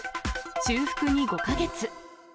修復に５か月。